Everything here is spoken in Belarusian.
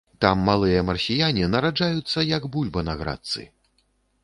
Там малыя марсіяне нараджаюцца як бульба на градцы.